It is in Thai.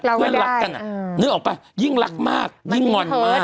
เราไม่ได้รู้ออกปะยิ่งรักมากยิ่งงอนมาก